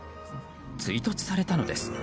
追突されたのです。